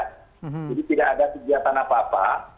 jadi tidak ada kegiatan apa apa